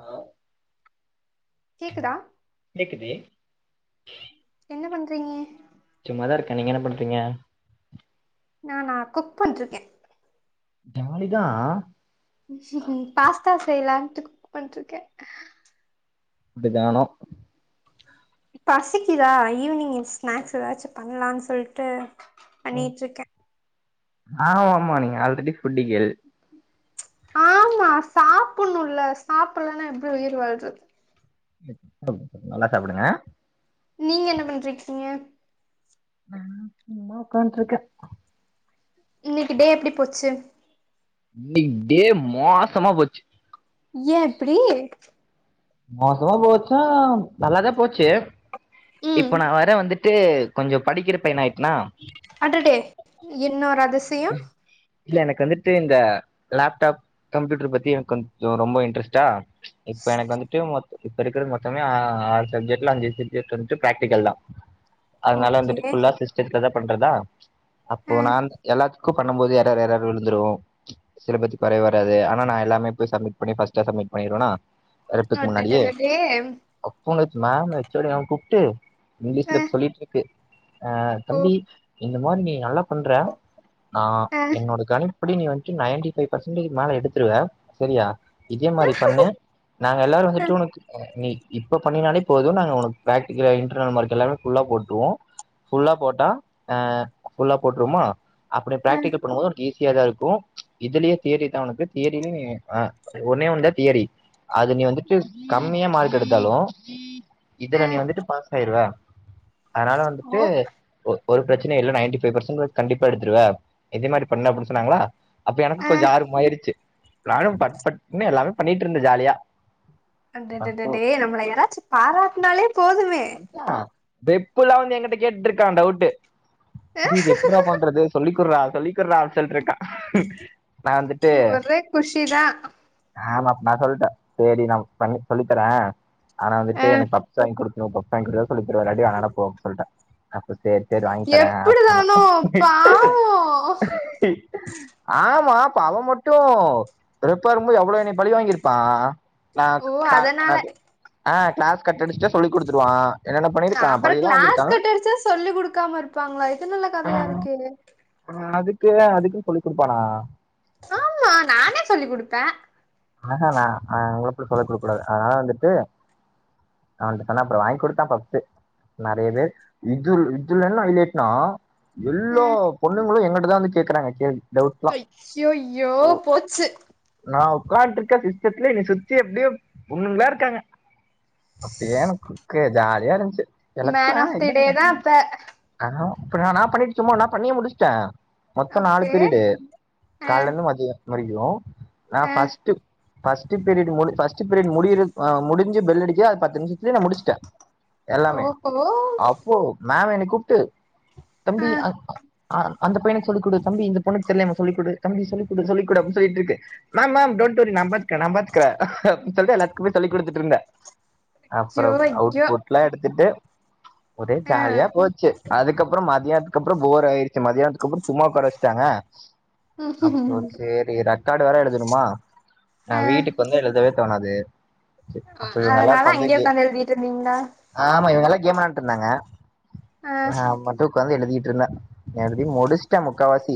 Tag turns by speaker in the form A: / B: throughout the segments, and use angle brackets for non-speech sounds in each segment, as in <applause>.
A: ஆ
B: கேக்குதா
A: கேக்குதே ஹ
B: என்ன பண்றீங்க
A: சும்மாதா இருக்கே நீங்க என்ன பண்றீங்க
B: நா நா குக் பண்ட்ருக்கே
A: ஜாலிதா
B: பாஸ்தா செய்யலான் டு குக் பண்ணிட்ருக்க
A: எப்டிதானோ
B: பசிக்குதா ஈவினிங் ஸ்நேக்ஸ் ஏதாச்சு பண்ணலான் சொல்லிட்டு பண்ணிட்ருக்க
A: ஆமா ஆமா நீங்க ஆல்ரெடி ஃபுட்டி கேள்
B: ஆமா சாப்புன்னுல்ல சாப்புல்லன்னா எப்டி உயிர் வாழ்றது
A: நல்லா சாப்டுங்க
B: நீங்க என்ன பண்றக்கீங்க
A: ஆ சும்மா உக்காண்ட்ருக்க
B: இன்னிக்கு டே எப்டி போச்சு
A: இன்னிக்கு டே மோசமா போச்சு
B: ஏ இப்டி
A: மோசமா போச்சா நல்லாதா போச்சு
B: ம்
A: இப்ப நா வேற வந்துட் ட்டு கொஞ்சோ படிக்கிற பையன் ஆயிட்
B: அடடே என்னவொரு அதிஷ் சியோ
A: இல்ல எனக்கு வந்துட்டு இந்த லேப்டாப் கம்ப்யூட்டர் பத்தி எனக்கு கொஞ்சோ ரொம்ப இன்ட்ரெஸ்ட்டா இப்ப எனக்கு வந்துட்டு மொத் இப்பிருக்குற மொத்தமே ஆறு சப்ஜெக்டல அஞ்சு சப்ஜெக்ட வந்துட்டு பிரேக்டிக்கல்தா அதனால
B: ஓகே
A: வந்துட்டுஃ புல்லா சிஸ்டெட்லதா பண்றதா அப்போ
B: அ
A: நான் எல்லாத்துக்கு பண்ணும் போது எரர் எரர் விழுந்துரு சில பேர்த்துக்கு வரவே வராது ஆனா நா எல்லாமே போய் சப்மிட் பண்ணி ஃபஸ்டா சப்மிட் பண்ணிருவனா
B: அட்டடடே டேய்
A: புன் வெச்சு நானு ஹெச்சோடி மேம் கூப்டு
B: அ
A: இங்கிலீஷ்ல சொல்லிட்டு இருக்கு அ
B: ஓ
A: தம்பி இந்த மாரி நீ நீ நல்லா பண்ற நா
B: அ
A: என்னோட கணிப் எப்டியு நீ வந்துட்டு நைன்டி ஃபைவ் பர்சன்டேஜ் மேல எடுத்துருவே சரியா இதே மாரி பண்ணு நாங்க எல்லாரு
B: அ
A: வந்துட்டு உனக்கு நீ இப்ப பண்ணினாலே போது நாங்க உனக்கு ப்ராக்டிகல இன்டர்னல் மார்க் எல்லாமே ஃபுல்லா போட்ருவோ ஃபுல்லா போட்டா அ ஃபுல்லா போட்ருமா அப்டி ப்ராக்டிக்கல் பண்ணு போது உனக் ஈஸ் தியரிதா இருக்கு இதுலயே தியரி தா உனுக்கு தியரி ஒன்னே ஒண்ணு தா தியரி அது நீ வந்துட்டு கம்மியா மார்க் எடுத்தாலு
B: அ அ
A: இதுல நீ வந்துட்டு பாஸ் ஆயிருவ அதனால வந்துட்டு
B: ஓ
A: ஒ ஒரு ப்ரச்சனை இல்ல நைன்டி ஃபைவ் பர்சண்டேஜ் கண்டிப் எடுத்துடுவ இதே மாரி பண்ணு அப்டின்னு சொன்னாங்களா அப்ப எனக்கு
B: ஆ
A: கொஞ்ச ஆர்வமாயிச்சு நானு பட் பட்டுன்னு எல்லாமே பண்ணிட்டு இருந்தே ஜாலியா அப்போ
B: அடடடடே நம்மள யாராச்சு பாராட்னாலே போது
A: அந்த <inaudible> ரெப்புலா எங்கிட்ட வந்து கேட்டுட்டுருக்கா டவுட்டு
B: ஆ
A: ஜி இது எப்புட்றா பண்றது சொல்லி குர்ட்றா சொல்லி குர்ரா சொல்ட்ருக்கா நா வந்துட்டு
B: ஒரே குஷிதா
A: ஆமப் நா சொல்ட்டே சேரி நா பண்ணி சொல்லிதறே ஆனா
B: ஆ
A: வந்துட்டு எனக்கு பப்ஷ் வாங்குடு ஒ பப்ஸ் வாங்கி குடு சொல்லி தருவே இல்லாட்டி வெனானா போ அப்டின்னு சொல்ட்ட சேரி சேரி வாங்கி தரே சொன்னா
B: எப்டிதானோ பாவோ
A: ஆமா ப்ப அவ மட்டு ரெப்பா இருக்கும்போது எவ்ளோ என்ன பழி வாங்கியிருப்பா ந
B: ஓ
A: கா
B: அதனால
A: நது ஆஹ கிளாஸ் கட்டடிச்சட்டு சொல்லி குடுத்துருவா என்னென்ன
B: அ
A: பண்ணிருக்கா
B: அப்ற
A: பழியெல்லா வாங்கிருக்கா
B: க்ளாஸ் கட்டருச்சா சொல்லி குடுக்காம இருப்பாங்களா இது நல்ல கதையா இருக்கே
A: கில்ல அதுக்குன்னு சொல்லி் குடுப்பானா
B: ஆமா நானே சொல்லி் குடுத்தே
A: ஆ க நான் அவங்க சொல்லி குடுக்க கூடாது அதனால வந்துட்டு அவன்கிட்ட சொன்னா அப்புறம் வாங்கி் கொடுத்தான் ஃபர்ஸ்ட் நெறைய பேர் இது இதுல என்ன ஹைலைட்நா
B: ஆ
A: எல்லா பொண்ணுங்களும் எங்க இதான் கேட்கறாங்க கேள்வி டவுட்லாம்
B: அய்யயோ போச்சு
A: உக்கான்ட்டு இருக்க சிஸ்டத்துல என்ன சுத்தி அப்படியோ பொண்ணுங்களா இருக்காங்க அப்படியே எனக்கு ஜாலியா இருந்துச்சு
B: மேன்
A: எனக்கும்
B: ஆஃப் தி டே தான்
A: இதுதான்
B: அப்ப
A: இப்ப நான் நான் பண்ணிட்டுக் நான் பண்ணியே முடிச்சிட்டேன் மொத்தம் நாலு
B: ஓகே
A: பீரியடு
B: ஆ
A: காலைல இருந்து மதியம் அரியும் நான்
B: ஆ
A: first first first period first period முடி முடிஞ்சு பெல் அடிக்கது பத்து நிமிஷத்திலே முடிச்சிட்டேன் எல்லாமே
B: ஓஹோ
A: அப்போ மேம் எனக்கு கூப்டு
B: ஆ
A: தம்பிஅந் அந் அந்த பையனுக்கு சொல்லிக்கொடு தம்பி இந்த பொண்ணு தெரியலையாமே சொல்லிக்கொடு தம்பி சொல்லிக்கொடு சொல்லிக் சொல்லிட்டுருக்கு மேம் மேம் நாம்பாத்துக்குறேன் நாம்பாத்துக்குறேன் அப்டின்னு சொல்லிட்டு எல்லாத்துக்கு சொல்லிக் கொடுத்துட்டுருந்தேன்
B: ஐயோ
A: அப்புறம்
B: ஐயோ
A: அவுட்புட்டலாம் எடுத்துட்டு ஒரே
B: ஆ
A: ஜாலியா போச்சு அதுக்கப்புறம் ம மத்தியானத்துக்கு அப்புறம் போர் ஆயிடுச்சு மத்தியியானத்துக்கு அப்புறம் சும்மா உட்கார வச்சிட்டாங்க அப்போ
B: ம்
A: செரிங்க காடு வேற எழுதணுமா
B: ஆ
A: ஆஹ் வீட்டுக்கு வந்து எழுதவே தோணாது சரி, அப்போ இவங்க
B: அதனால
A: எல்லாருக்கும் வந்து
B: அங்கேயே உட்காந்து எழுதிட்டு இருந்தீங்களா
A: ஏமா இருந்தாங்க
B: ஆ
A: நான் மதுக்கு வந்து எழுதி என்ன எழுதி முடிச்சிட்டேன் முக்கா வாசி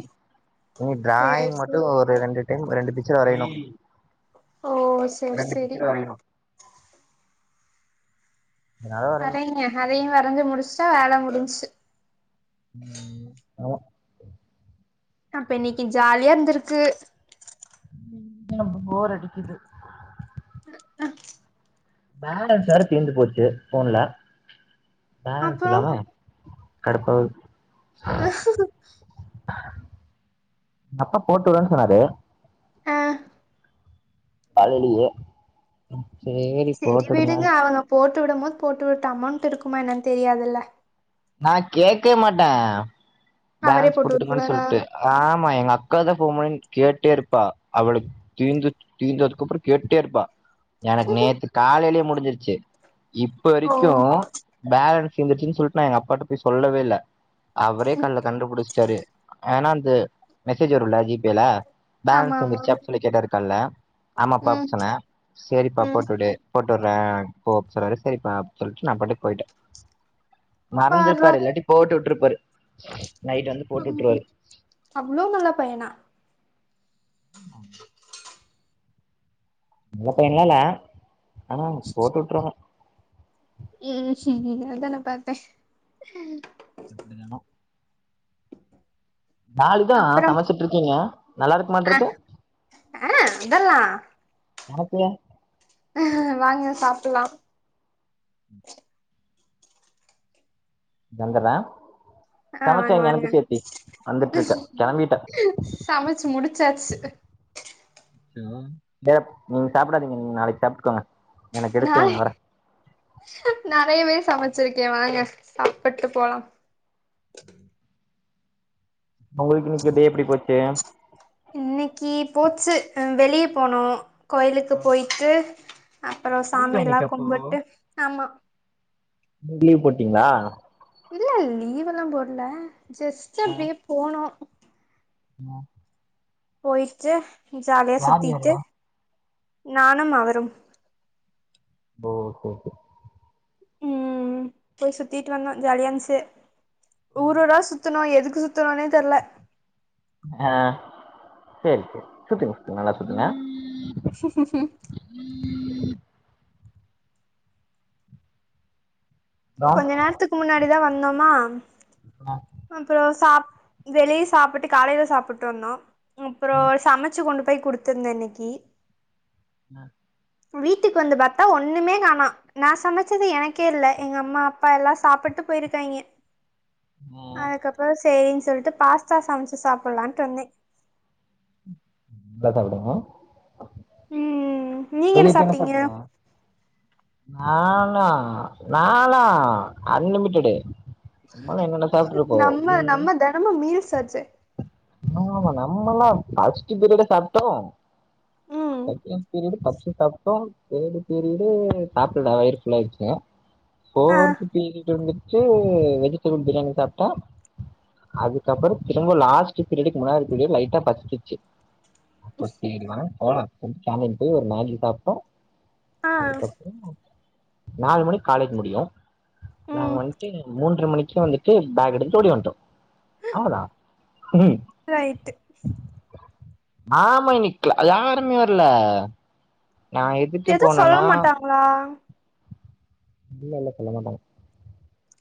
A: இனி
B: சேரி
A: டிராயிங்
B: சேரி
A: மட்டும் ஒரு ரெண்டு <unintelligible> ரெண்டு பிச்சர் வரையணு
B: ஓ சேரி
A: ரெண்டு
B: சேரி
A: பிச்சர் வரையணு அதனால வரையணு
B: வரைங்க அதையும் வரைஞ்சு முடிச்சுட்டா வேலை முடிஞ்ச்சு
A: உம் அவமா
B: அப்ப இன்னைக்கு ஜாலியா இருந்தருக்கு
A: உ போ போர் அடிக்குது பேலன்ஸ் வேற தீந்து போச்சு ஃபோன்ல
B: அப்புறோ
A: பாலத்துலா கடுப்பாவுது
B: அஹ்ஹஹா
A: எங்கப்பா போட்டுவுட்றேனு சொன்னாரு
B: ஆ
A: காலேலயே
B: செரி விடுங்க அவங்க போ ட்டு விடும் போது போட்டு விட்டு அமௌண்ட் இருக்குமான்னு தெரியாதுல்ல
A: நா கேக்க மாட்டே
B: அவரே
A: பேலன்ஸ்
B: போட்டு
A: போட்டுடுங்கன்னு
B: விட்டுருவாரா
A: சொல்லிட்டு ஆமா எங்க அக்கா தா ஃபோன் பண்ணி கேட்டே இருப்பா அவளுக்கு தீந்து தீந்ததுக்கப்றோ கேட்டே இருப்பா எனக்கு நேத்து காலேலே முடிச் முடிஞ்சிருச்சு இப்போ
B: ஓ
A: வரைக்கு பேலன்ஸ் தீந்திருச்சினு சொல் நா எங்க அப்பாட்ட போய் சொல்லவே இல்ல அவரே கண்ணுல கண்டுபிடிச்சுட்டாரு ஆனா வந்து மெசேஜ் வரும்ல ஜி பேல
B: ஆமா
A: பேலன்ஸ்
B: ஆமா
A: வந்துருச்சானு சொல்லி கேட்டாரு காலைல ஆமாப்பா
B: ம்
A: சொன்னே சரிப்பா
B: ம்
A: போட்டுவிடு போட்டு விடுறே போ சொல்றாரு சரிப்பா அப்டி சொல்லிட்டு நா பாட்டு போயிட்டே
B: பார்றா
A: மறந்திருப்பாரு இல்லாட்டி போட்டு விட்டுருப் ஒரு
B: உ அவ்ளோ நல்லா பையனா
A: நல்ல பையன்லால்ல ஆனா போட்டு விட்ருவாங்க
B: உ செரிங்க அதான பாத்தே
A: எப்டிதானோ நாலுதா
B: அப்புறம்
A: சமச்சுட்டு இருக்கீங்க நல்லா இருக்கு
B: ஆ
A: மாட்ருக்கு
B: ஆ அதெல்லா
A: <unintelligible>
B: அ வாங்க சாப்புல்லா
A: வந்துர்ற
B: ஆ வாங்க வாங்க
A: வந்துட்டு இருக்க கெளம்பிட்டே
B: சமச்சு முடிச்சாச்சு
A: வேற நீங்க சாப்பிடாதீங்க நீங்க நாளைக்கு சாப்டுக்கோங்க
B: நா நெறையவே சமச் சுருக்கே வாங்க சாப்புட்டு போலா
A: உங்களுக்கு இன்னிக்கு டே எப்டி போச்சு
B: இன்னிக்கு போச்சு வெளிய போனோ கோயிலுக்கு போயிட்டு அப்புறோ
A: லீவா
B: சாமியெல்லா
A: இன்னைக்கு
B: கும்புட்டு ஆமா
A: நீங்க லீவ் போட்டீங்களா
B: இல்ல லீவெல்லாம் போல்ல ஜஸ்ட் அப்டியே போனோ
A: ஆ
B: போயிட்டு ஜாலியா
A: யாரு
B: சுத்திட்டு நானும் அவரும்
A: ஓ சேர் சேர்
B: ம் போய் சுத்திட்டு வந்தோ ஜாலியா இருந்துச்சு ஊரு ஊரா சுத்தணு எதுக்கு சுத்தணோனே தெர்ல
A: ஆ சேரி சேரி சுத்துங்க சுத்துங்க நல்லா சுத்துங்க
B: ஆஹ்ன் ஆஹ்ன்
A: உம் அப்புறம்
B: கொஞ்ச நேரத்துக்கு முன்னாடிதா வந் வந்தோமா அப்புறோ சாப் வெளியே சாப்புட்டு காலையில சாப்புட்டு வந்தோ அப்புறோ சமச்சு கொண்டுப் போய் குடுத்துருந்த இன்னிக்கு
A: என்ன
B: வீட்டுக்கு வந்து பாத்தா ஒண்ணுமே காணு நா சமச்சது எனக்கே இல்ல எங்க அம்மா அப்பா எல்லா சாப்புட்டு போயிருக்காங்கே அதுக்கப்புற செரின் சொல்ட் ஃபாஸ்ட்டா சமைச்சு சாப்ல்லட்டு வந்தே
A: லேட்டாகுதுங்களா
B: ம் நீங்க
A: வெளியே
B: என்ன
A: போன
B: சாப்ட்டீங்க
A: படுத்துக்கல ஆ நால்லா நால்லா அன்லிமிட்டடு நம்மளா என்னென்ன சாப்ட்ருக்கோம்
B: நம்ம நம்ம தெனமும் மீல்ஸ் ஆச்சே
A: ஆ ஆமாங்க நம்மல்லா ஃபர்ஸ்ட்டு பீரியடே சாப்ட்டோம்
B: ம்
A: செகண்ட் பீரியடு ஃபர்ஸ்ட் சாப்ட்டோம் தேர்டு பீரியடு சாப்டல வயிறு ஃபுல்லா ஆயிடுச்சு
B: ஆ
A: ஃபோர்த்து பீரியட் ஒண்ணு ஓ ஓ ஓ வெஜிடேபிள் பிரியாணி சாப்ட்ட அதுக்கப்புற திரும்ப லாஸ்ட் லஞ்ச் பீரியடுக்கு முன்னாடி பீரியட் லைட்டா பசிச்சிடுச்சு கொஸ்ட்டினா போன போயிட்டு சாமியே கும்பிட்டு மேகி சாப்ட்டோம்
B: ஆ
A: அதுக்கபுற வந்து ஆ நாலு மணிக் காலேஜ் முடியும் நாங்க
B: ம்
A: வண்ட்டு மூன்ற மணிக் சோ வந்துட்டு பேக் எடுத்துட்டு ஓடி வண்ட்டோம் அவ்வளதா ம்
B: ரைட்டு
A: ஆமா இன்னிக்கல லா யாருமே வரல நான் எதுக்கு
B: எதுவு சொல்ல
A: போனேன்னா
B: மாட்டாங்களா
A: இல்ல இல்ல சொல்ல மாட்டாங்க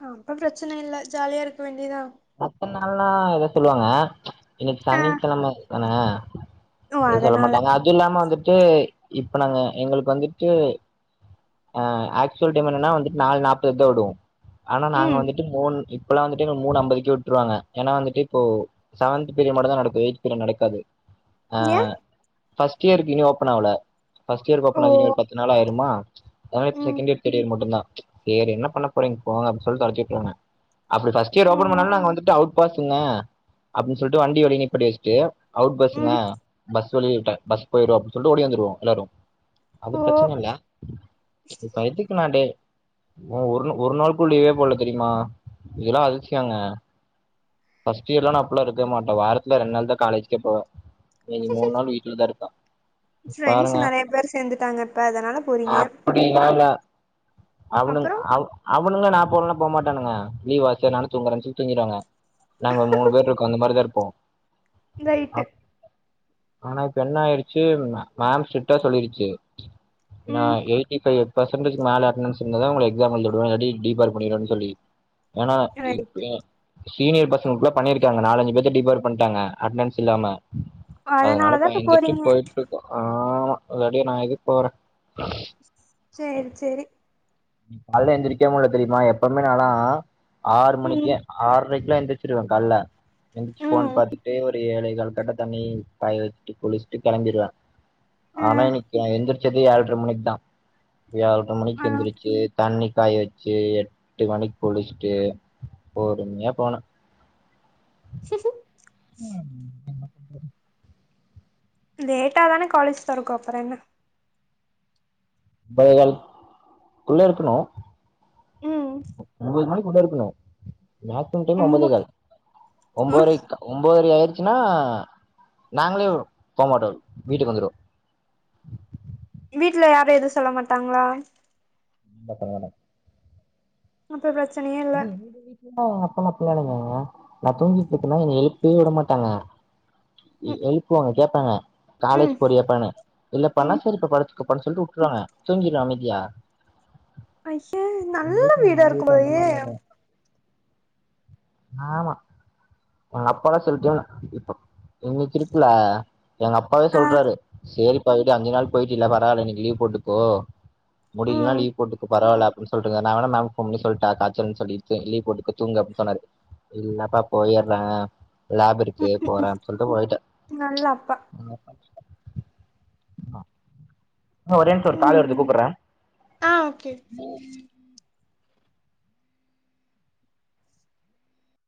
B: அ அப்ப பிரச்சனை இல்ல ஜாலியா இருக்க வேண்டியதா
A: பத்து நாள்லா எத சொல்லுவாங்க இன்னிக்
B: ஆ
A: சனிக்கிழம சொல்லுங்க
B: ஓ
A: எது சொல்ல
B: அதனால
A: மாட்டாங்க அது இல்லாம வந்து ட்டு இப்ப நாங்க எங்களுக்கு வந்துட்டு அ ஆக்சுவல் டைம்ன்னா வந்துட் நால் நாப்பதுக்கு விடுவோம் ஆனா நாங்க
B: ம்
A: வந்துட்டு மூன் ப் இப்பல்லா வந்துட்டு மூணு அம்பதுக் விட்டுருவாங்க ஏனா வந்துட்டு இப்போ செவன்த் பீரியட் மட்டு தா நடக்குது ஏய்த் பீரியட் நடக்காது அ ஆ
B: ஏ
A: பஃர்ஸ்ட்டு இயர்க் இன்னு ஓப்பன் ஆவல ஃபர்ஸ்ட் இயர்
B: ஓ
A: ஓப்பன் ஆயி இன்னு ஒரு பத்து நாள் ஆயிரூம்மா லாமே
B: ம்
A: செகண்டியர் தேர்ட் இயர் மட்டுந்தா சேரி என்ன பண்ண போறீங்க போங்க அப்ப சொல்லி தொரத்தி விட்ருவாங்க அப்டி ஃபஸ்டு இயர்
B: ஓ
A: ஓபன் பண்ணா அவுட் பசங்க அப்டின்னு சொல்லிட்டு வண்டி வழ நீப்படி வச்சுட்டு அவுட் பஸ்ங்க
B: ம்
A: பஸ் சொல்லிட்டே பஸ் போயிரு அப்டின்னு சொல்லி ஓடி வந்துருவோ எல்லாரு அது
B: ஓ
A: பிரச்சன இல்ல இப்ப எதுக்கு நா டே ஒ ஒரு நாள் கு ள்ளயே போடல தெரியுமா இதல்லா அதிசயங்க ஃபர்ஸ்ட் இயர்லா நா அப்பில்லா இருக்க மாட்டே வாரத்துல ரெண்டு நாள் தா காலேஜ்கே போவே நீ மூணு நாள் வீட்ல தா இருக்க
B: ஃப்ரெண்ட்ஸ் நிறைய பேர் சேந்துட்டாங்க இப்ப அதனால போறீங்க
A: அவனு
B: அப்புறோ
A: அவ அவனுங்க நா போனோன போமாட்டானுக லீவ் ஆச்ச நானு தூங்குறே ச தூங்கிருவாங்க நாங்க மூணு பேர் இருக்கோ அந்த மாரிதா இருப்போ
B: இதயிட்டு
A: ஆனா இப்ப என்ன ஆயிடுச்சு மேம் ஸ்ரிட்டா சொல்லிடுச்சு நா
B: ம்
A: எலக்ட்ரிகல்லு பர்சன்டேஜ் மேல இருக்கணு சொன்னாதா உங்கள எக்ஸாம் எழுதவிடுவ இல்லாட்டி டிபார் பன்னிருவானு சொல்லி வேனா இப் ப
B: ரைட்டு
A: சீனியர்பசங்குள்ள பண்ணிருக்காங்க நாலஞ்சு பேர் டிபர் பண்டாங்க அட்டண்டன்ஸ் இல்லாம அதனால
B: அதனாலதா இப்ப
A: பயந்துட்டு
B: போறீங்க
A: போயிட்ருக்கோ ஆ ஹா ஒரடி நா எதுக் போறே
B: சேரி சேரி
A: இன்னக்கி கால்ல எந்திரிக்கவே முல்ல தெரியுமா எப்பவுமே நாளா ஆறு மணிக்கே
B: ம்
A: ஆறரைக்குலா எந்திரிச்சிருவே கால்ல எந்திச்சு ஃபோன்
B: ம்
A: பாத்துட்டு ஒரு ஏழே கால் கட்ட தண்ணி காய வச்சுட்டு குளிச்சுட்டு கெளம்படுவே
B: ஆ
A: ஆனா இன்னைக்கு எந்திரிச்சதே ஏள்ர மணிக்கு தா ஏள்ற மணிக்கு
B: ஆ
A: எந்திரிச்சி தண்ணி காய வச்சி எட்டு மணிக்கு குளிச்சுட்டு பொறுமயா போனே
B: சிசு
A: <unintelligible>
B: லேட்டா தான காலேஜ் தொறக்கு அப்றோ என்ன
A: பைகள் குள்ளே இருக்கணு
B: ம்
A: உங்கள்தா கூட இருக்கணு வாட் ரிட்டன் டைம்
B: ரொம்ப
A: ஒம்போதே கால் ஒம்போரைக்கா ஒம் ஒம்போதரை ஆயிருச்சுன்னா நாங்களே வரு‌ போமாட்டோ வீட்டுக்கு வந்துருவோ
B: வீட்ல யாரு எதுவு சொல்ல மாட்டாங்களா
A: ரொம்பத்தவான
B: அப்ப பிரச்சனையே இல்ல
A: அது எங்க வீட்லன்னா <unintelligible> நா தூங்கிட்டுயிருப்பனா என்ன எழுப்பி விட மாட்டாங்க
B: ம்
A: எழுப்புவாங்க கேப்பாங்க
B: ம்
A: காலேஜ் போரியாபான்னு இல்லப்பான்னா
B: ம்
A: செரி போ படுத்துக்கோ படுக்க சொல்லிட்டு உட்ருவாங்க தூங்கிடுவ அமைதியா
B: ஐய்சு
A: எங்க
B: நல்ல
A: வீட்ல
B: வீடா
A: எங்க
B: இருக்கும்
A: வீட்ல அந்த
B: போலையே
A: மாரிலா இல்ல ஆமா எங்க அப்பெல்லா சொல்லிச்சு இப்போ இன்னிக்கு இருக்குல எங்க அப்பாவே
B: ஆ
A: சொல்றாரு சேரிப் அப்பா வீட்டுக்கு அஞ்சு நாள் போயிட்டில பரவாயல்ல இன்னிக்கு லீவ் போட்டுக்கோ முடியிலன்னா
B: ம்
A: லீவு போட்டுக்கோ பரவால்ல அப் ரிசல்ட்ங்க நா வேன்னா மேமுக்குஃ போன் பண்ணி சொல்டா தால் ஜலின் சொல்லியிருக்க லீவ் போட்டுக்கோ தூங்கு அப்டின்னு சொன்னாரு இல்லப்பா போயிற்ற லேப் இருக்கு போற அப்டி சொல்லிட்டு போயிட்ட
B: நல்ல அப்பா
A: ஆ ஒரே நிம்ஷோ ஒரு கால் வருது
B: ம்
A: கூப்பற்ற
B: ஆ ஓகே